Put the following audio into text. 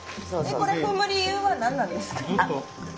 これ踏む理由は何なんですか？